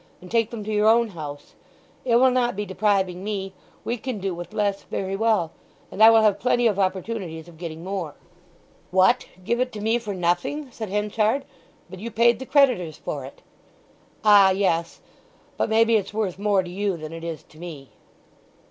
And take them to your own house—it will not be depriving me, we can do with less very well, and I will have plenty of opportunities of getting more." "What—give it to me for nothing?" said Henchard. "But you paid the creditors for it!" "Ah, yes; but maybe it's worth more to you than it is to me."